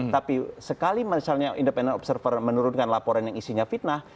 tapi sekali misalnya independent observer menurunkan laporan yang isinya fitnah